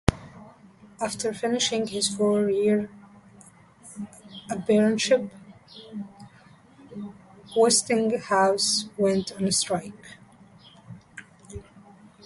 After finishing his four-year apprenticeship, Westinghouse went on strike.